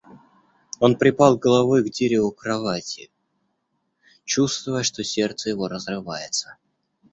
Он припал головой к дереву кровати, чувствуя, что сердце его разрывается.